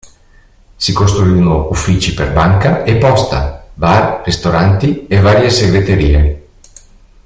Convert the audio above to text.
Si costruirono uffici per banca e posta, bar, ristoranti e varie segreterie.